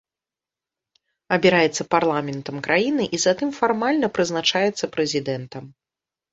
Абіраецца парламентам краіны і затым фармальна прызначаецца прэзідэнтам.